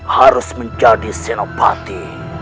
harus menjadi senopati